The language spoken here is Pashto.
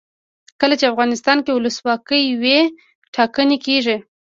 کله چې افغانستان کې ولسواکي وي ټاکنې کیږي.